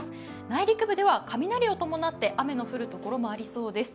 内陸部では雷を伴って雨の降るところもありそうです。